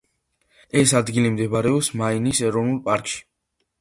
ეს ადგილი მდებარეობს მაინის ეროვნულ პარკში.